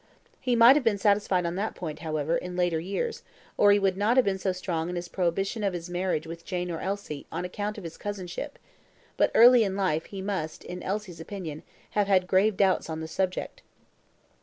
He must have been satisfied on that point, however, in later years, or he would not have been so strong in his prohibition of his marriage with Jane or Elsie on account of his cousinship; but, in early life, he must, in Elsie's opinion, have had grave doubts on the subject.